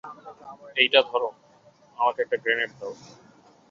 এইটা ধরো, আমাকে একটা গ্রেনেড দাও।